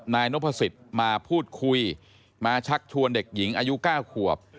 นายนพสิทธิ์มาพูดคุยมาชักชวนเด็กหญิงอายุ๙ขวบ